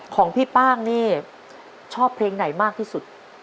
ของพี่ป้างนี่ชอบเพลงไหนมากที่สุด